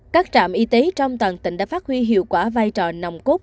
các trạm y tế trong toàn tỉnh đã phát huy hiệu quả vai trò nồng cốt